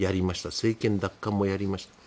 政権奪還もやりました。